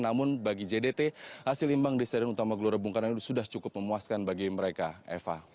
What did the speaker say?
namun bagi jdt hasil imbang di stadion utama gelora bung karno ini sudah cukup memuaskan bagi mereka eva